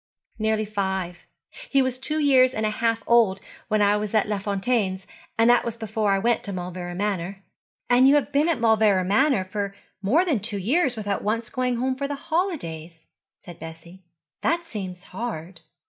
'Nearly five. He was two years and a half old when I was at Les Fontaines, and that was before I went to Mauleverer Manor.' 'And you have been at Mauleverer Manor more than two years without once going home for the holidays,' said Bessie. 'That seems hard.'